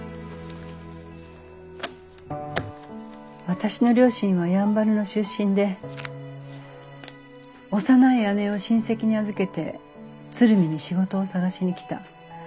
私の両親はやんばるの出身で幼い姉を親戚に預けて鶴見に仕事を探しに来た。